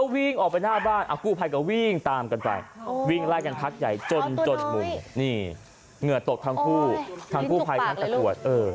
วิ่งไล่กันพักใหญ่จนมุมเนื้อตกทั้งคู่ทั้งกูภัยทั้งสะกวด